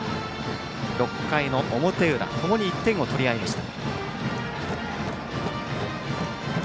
６回の表裏共に１点を取り合いました。